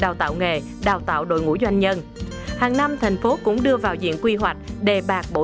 đào tạo nghề đào tạo đội ngũ doanh nhân hàng năm thành phố cũng đưa vào diện quy hoạch đề bạt bổ